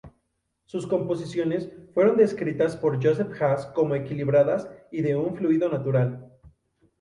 Sus composiciones fueron descritas por Joseph Haas como equilibradas y de un fluido natural.